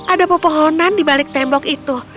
ada pepohonan di balik tembok itu